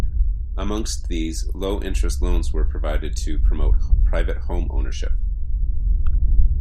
Amongst these, low interest loans were provided to promote private home ownership.